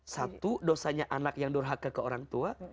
satu dosa nya anak yang durhaka kepada orang tua